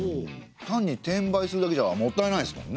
単に転売するだけじゃもったいないですもんね。